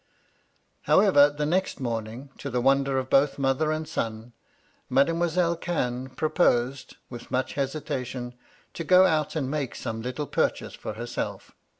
" However, the next morning, to the wonder of both mother and son, Mademoiselle Cannes proposed, with much hesitation, to go out and make some little pur chase for herself.